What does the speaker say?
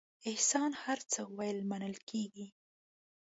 احسان هر څه ویل منل کېږي.